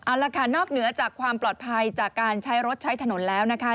เอาละค่ะนอกเหนือจากความปลอดภัยจากการใช้รถใช้ถนนแล้วนะคะ